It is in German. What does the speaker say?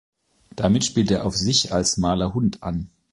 Damit spielt er auf sich als „Maler Hundt“ an.